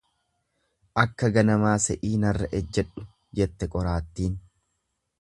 Akka ganamaa se'ii narra ejjedhu, jette qoraattin.